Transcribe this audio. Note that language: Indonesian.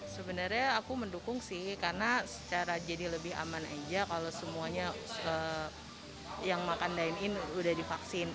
sebenarnya aku mendukung sih karena secara jadi lebih aman aja kalau semuanya yang makan dine in udah divaksin